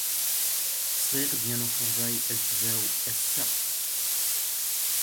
ⵙⵖⵉⵖ ⴷ ⵢⴰⵏ ⵓⴽⵔⴱⴰⵢ ⴰⵣⴳⵣⴰⵡ ⴰⵙⵙ ⴰ.